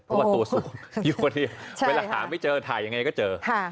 เพราะว่าตัวสูงอยู่พอดีเวลาหาไม่เจอถ่ายยังไงก็เจอ